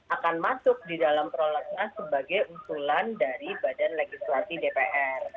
akan masuk di dalam prolegnas sebagai usulan dari badan legislasi dpr